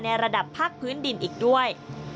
ระดับภาคพื้นดินอีกด้วย